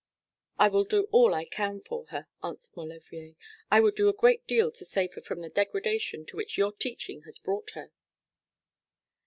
'I will do all I can for her,' answered Maulevrier. 'I would do a great deal to save her from the degradation to which your teaching has brought her.'